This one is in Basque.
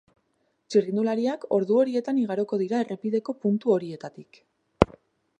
Txirrindulariak ordu horietan igaroko dira errepideko puntu horietatik.